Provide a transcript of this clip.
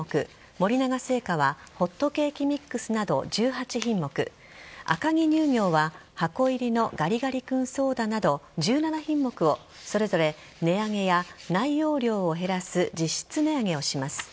森永製菓はホットケーキミックスなど１８品目赤城乳業は箱入りのガリガリ君ソーダなど１７品目をそれぞれ値上げや内容量を減らす実質値上げをします。